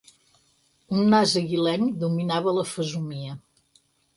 Un nas aguilenc dominava la fesomia.